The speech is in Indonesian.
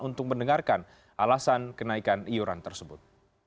untuk mendengarkan alasan kenaikan iuran tersebut